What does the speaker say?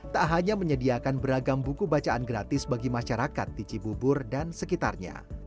tak hanya menyediakan beragam buku bacaan gratis bagi masyarakat di cibubur dan sekitarnya